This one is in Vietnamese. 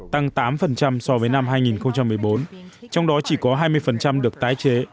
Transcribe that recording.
tăng tám so với năm hai nghìn một mươi bốn trong đó chỉ có hai mươi được tái chế